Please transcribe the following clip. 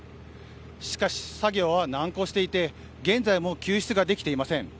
しかし、作業は難航していて現在も救出ができていません。